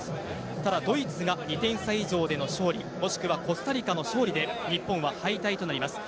ただドイツが２点差以上での勝利もしくはコスタリカの勝利で日本は敗退となります。